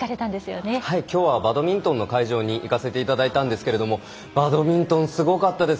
きょうはバドミントンの会場に行かせていただいたんですけれどもバドミントン、すごかったです。